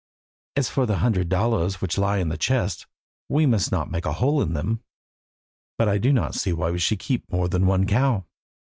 As for the hundred dollars which lie in the chest, we must not make a hole in them, but I do not see why we should keep more than one cow.